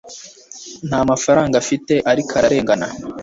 nta mafaranga afite, ariko ararengana